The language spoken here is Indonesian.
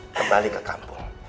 kembali ke kampung